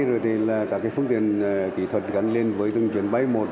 rồi thì là các cái phương tiện kỹ thuật gắn lên với từng chuyển bay một